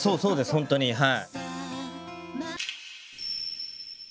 本当にはい。